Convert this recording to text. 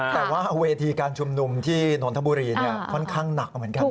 แต่ว่าเวทีการชุมนุมที่นนทบุรีค่อนข้างหนักเหมือนกัน